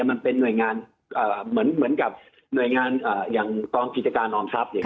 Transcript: มันเป็นหน่วยงานเหมือนกับหน่วยงานอย่างกองกิจการออมทรัพย์เนี่ย